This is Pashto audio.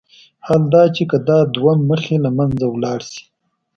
حال دا چې که دا دوه مخي له منځه لاړ شي.